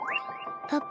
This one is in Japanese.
パパ。